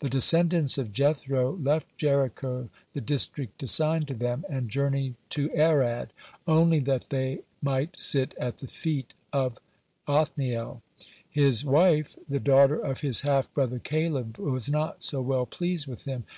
The descendants of Jethro left Jericho, the district assigned to them, and journeyed to Arad, only that thy might sit at the feed to Othniel. (24) His wife, the daughter of his half brother Caleb, was not so well pleased with him.